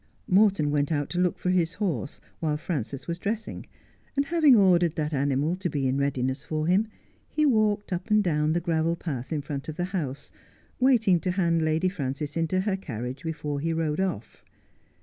Morton went out to look for his horse while Frances was dressing, and having ordered that animal to be in readiness for him, he walked up and down the gravel path in front of the house, waiting to hand Lady Frances into her carriage before he rode off.